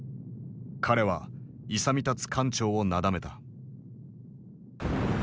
彼は勇み立つ艦長をなだめた。